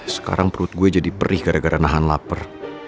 sekarang perut gue jadi perih gara gara nahan lapar